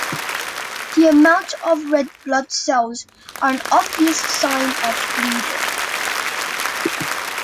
The amount of red blood cells are an obvious sign of bleeding.